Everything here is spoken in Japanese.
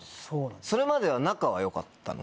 それまでは仲は良かったの？